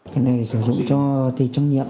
cái này sử dụng cho thi trắc nghiệm